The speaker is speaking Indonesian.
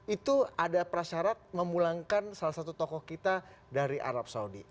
itu ada prasyarat memulangkan salah satu tokoh kita dari arab saudi